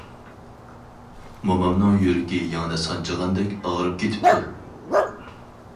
مومامنىڭ يۈرىكى يىڭنە سانجىغاندەك ئاغرىپ كېتىپتۇ.